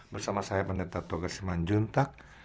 bersama saya pn tato gassiman juntag